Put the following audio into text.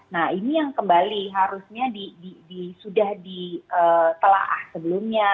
nah ini yang kembali harusnya sudah ditelaah sebelumnya